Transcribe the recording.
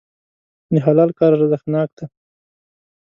د حلال کار ارزښتناک دی.